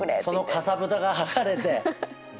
そのかさぶたが剥がれて。